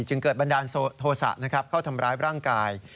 จึงเกิดบันดาลโทษะเข้าทำร้ายร่างกาย